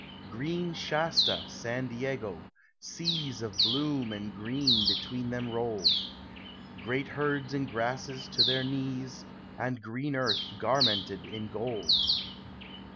Green Shasta, San Diego, seas Of bloom and green between them rolled. Great herds in grasses to their knees, And green earth garmented in gold.